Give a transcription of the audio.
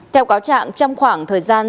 theo cáo trạng trong khoảng thời gian